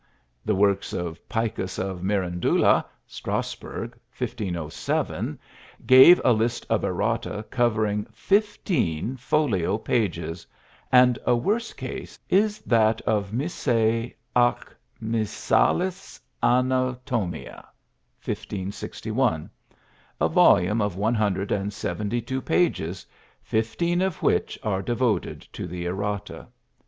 The works of Picus of Mirandula, Strasburg, 1507, gave a list of errata covering fifteen folio pages, and a worse case is that of "Missae ac Missalis Anatomia" (1561), a volume of one hundred and seventy two pages, fifteen of which are devoted to the errata.